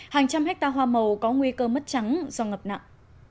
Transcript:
hàng trăm hectare hoa màu có nguy cơ mất trắng do ngập nặng